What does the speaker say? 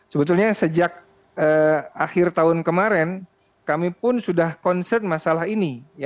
sebetulnya sejak akhir tahun kemarin kami pun sudah concern masalah ini